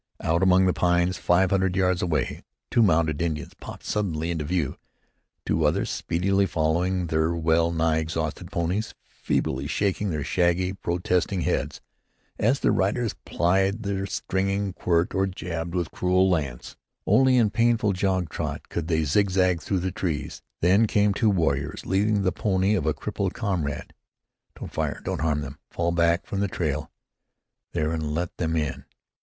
Out among the pines, five hundred yards away, two mounted Indians popped suddenly into view, two others speedily following, their well nigh exhausted ponies feebly shaking their shaggy, protesting heads, as their riders plied the stinging quirt or jabbed with cruel lance; only in painful jog trot could they zig zag through the trees. Then came two warriors, leading the pony of a crippled comrade. "Don't fire Don't harm them! Fall back from the trail there and let them in.